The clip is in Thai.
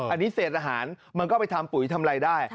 อันนี้เศษอาหารมันก็ไปทำปุ๋ยทำอะไรได้